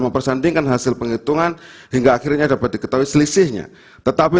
mempersandingkan hasil penghitungan hingga akhirnya dapat diketahui selisihnya tetapi